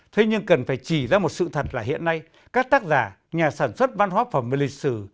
thế nhưng cần phải chỉ ra một sự thật là hiện nay các tác giả nhà sản xuất văn hóa phẩm về lịch sử